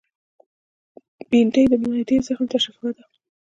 بېنډۍ د معدې زخم ته شفاء ده